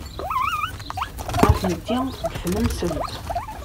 Atenti deg tnemselt.